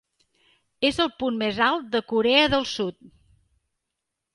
És el punt més alt de Corea del Sud.